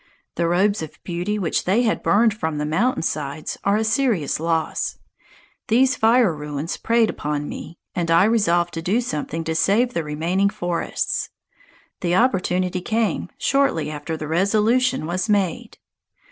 The robes of beauty which they had burned from the mountain sides are a serious loss. These fire ruins preyed upon me, and I resolved to do something to save the remaining forests. The opportunity came shortly after the resolution was made.